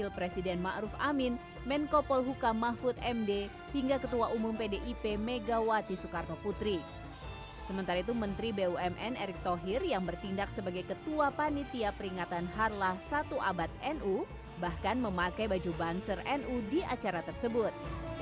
sementara itu menteri bumn erick thohir yang bertindak sebagai ketua panitia peringatan harlah satu abad nu bahkan memakai baju banser nu di acara tersebut